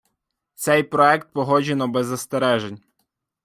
Цей проект погоджено без застережень.